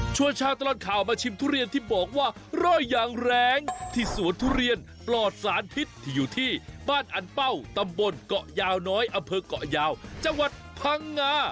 ชาวตลอดข่าวมาชิมทุเรียนที่บอกว่าร่อยอย่างแรงที่สวนทุเรียนปลอดสารพิษที่อยู่ที่บ้านอันเป้าตำบลเกาะยาวน้อยอำเภอกเกาะยาวจังหวัดพังงา